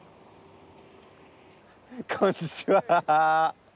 こんにちは。